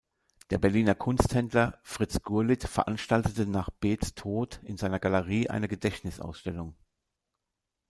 Der Berliner Kunsthändler Fritz Gurlitt veranstaltete nach Beths Tod in seiner Galerie eine Gedächtnisausstellung.